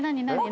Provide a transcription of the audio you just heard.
何？